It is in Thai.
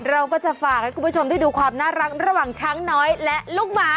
เราก็จะฝากให้คุณผู้ชมได้ดูความน่ารักระหว่างช้างน้อยและลูกหมา